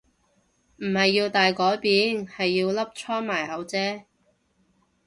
唔係要大改變係要粒瘡埋口啫